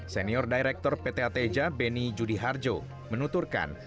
senior direktur pt ateja beni judiharjo menuturkan